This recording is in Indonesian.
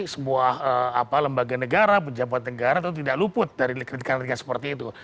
sebuah lembaga negara pejabat negara itu tidak luput dari kritikan kritikan seperti itu